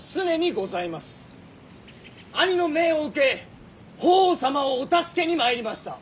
兄の命を受け法皇様をお助けに参りました。